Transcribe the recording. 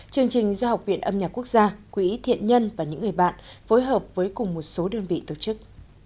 chương trình do học viện âm nhạc quốc gia quỹ thiện nhân và những người bạn phối hợp với cùng một số đơn vị tổ chức